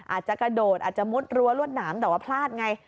อาจจะกระโดดอาจจะมุดรั้วรวดหนามแต่ว่าพลาดไง